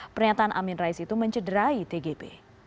pernyataan amin rais itu mencederai tgp